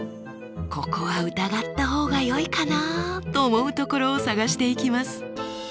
ここは疑った方がよいかなと思うところを探していきます。